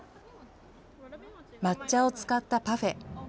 抹茶を使ったパフェ。